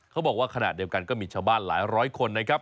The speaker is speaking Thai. เขาบอกว่าขณะเดียวกันก็มีชาวบ้านหลายร้อยคนนะครับ